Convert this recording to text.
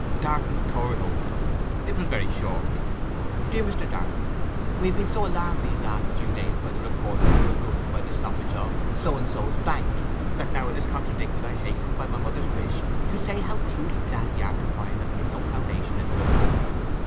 Darton tore it open; it was very short. 'DEAR MR. DARTON,—We have been so alarmed these last few days by the report that you were ruined by the stoppage of —'s Bank, that, now it is contradicted I hasten, by my mother's wish, to say how truly glad we are to find there is no foundation for the report.